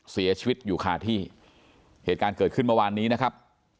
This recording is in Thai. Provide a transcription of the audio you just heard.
เสียชีวิตอยู่คาที่เหตุการณ์เกิดขึ้นเมื่อวานนี้นะครับ